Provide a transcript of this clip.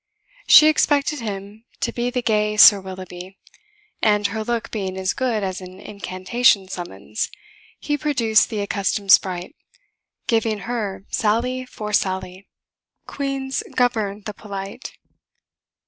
She expected him to be the gay Sir Willoughby, and her look being as good as an incantation summons, he produced the accustomed sprite, giving her sally for sally. Queens govern the polite.